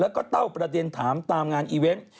แล้วก็เต้าประเด็นถามตามงานอีเวนต์